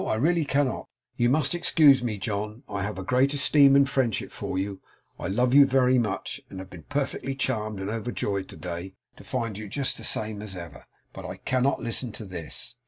I really cannot. You must excuse me, John. I have a great esteem and friendship for you; I love you very much; and have been perfectly charmed and overjoyed to day, to find you just the same as ever; but I cannot listen to this.